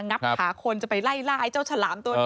งับขาคนจะไปไล่ล่าไอ้เจ้าฉลามตัวนี้